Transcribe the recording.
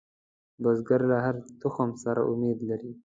بزګر له هرې تخم سره امید لري